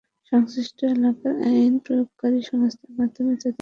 সংশ্লিষ্ট এলাকার আইন প্রয়োগকারী সংস্থার মাধ্যমে তাঁদের বিরুদ্ধে ব্যবস্থা নেওয়া হবে।